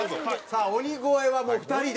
さあ鬼越はもう２人で？